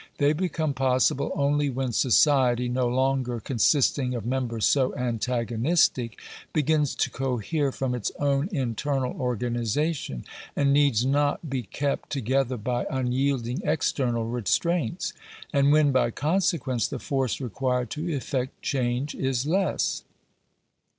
They become possible only when society, no longer consisting of members so antagonistic, begins to cohere from its own in ternal organization, and needs not be kept together by un yielding external restraints; and when, by consequence, the force required to effect change is less.